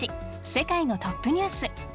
世界のトップニュース」。